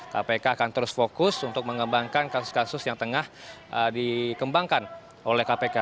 kpk akan terus fokus untuk mengembangkan kasus kasus yang tengah dikembangkan oleh kpk